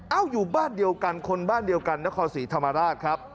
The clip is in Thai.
อยู่บ้านเดียวกันคนบ้านเดียวกันนครศรีธรรมราชครับ